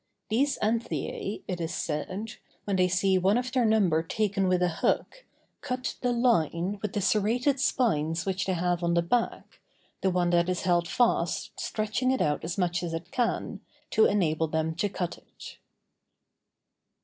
These anthiæ, it is said, when they see one of their number taken with a hook, cut the line with the serrated spines which they have on the back, the one that is held fast stretching it out as much as it can, to enable them to cut it.